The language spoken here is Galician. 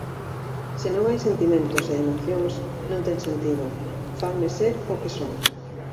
Se non hai sentimentos e emocións non ten sentido, fanme ser o que son.